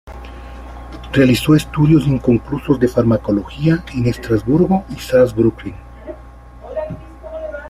Realizó estudios inconclusos de farmacología en Estrasburgo y Saarbrücken.